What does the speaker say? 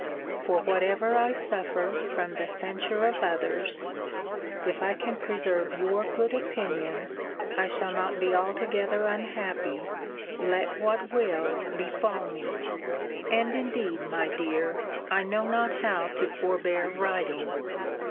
For whatever I suffer from the censure of others, if I can preserve your good opinion, I shall not be altogether unhappy, let what will befall me. And indeed, my dear, I know not how to forbear writing.